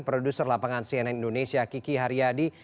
produser lapangan cnn indonesia kiki haryadi